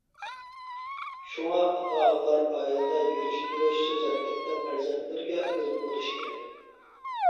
شۇڭا، ئاتا-ئانىلار ئائىلىدە يۈرۈش-تۇرۇش، سۆز-ھەرىكەتتە پەرزەنتلىرىگە ئۈلگە بولۇش كېرەك.